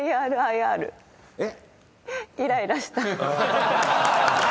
えっ？